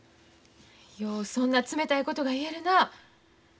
ようそんな冷たいことが言えるな。